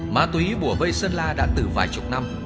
ma túy bùa vây sơn la đã từ vài chục năm